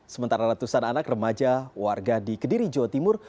sementara ratusan anak remaja warga di kediri jawa timur